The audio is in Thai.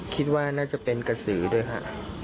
คิดว่าน่าจะเป็นกระสือด้วยค่ะ